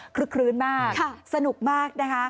คลื้นมากสนุกมากนะคะ